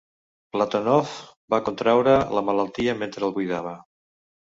Platonov va contraure la malaltia mentre el cuidava.